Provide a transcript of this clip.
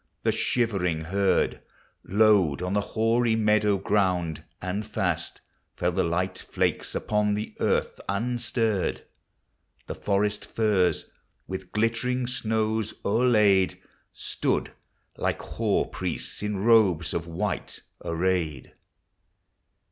The shiver ing herd Lowed on the hoary meadow ground, and fast Fell the light flakes upon the earth unstirred; The forest firs with glittering snows o'erlaid Stood like hoar priests in robes of white arrayed.